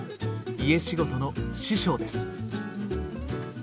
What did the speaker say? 家仕事の師匠です。